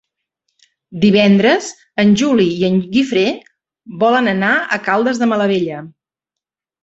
Divendres en Juli i en Guifré volen anar a Caldes de Malavella.